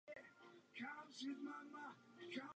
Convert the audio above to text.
Po návratu z vězení vykonával nejrůznější dělnické profese.